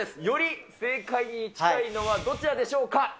より正解に近いのはどちらでしょうか。